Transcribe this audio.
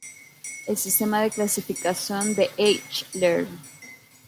El sistema de clasificación de Eichler.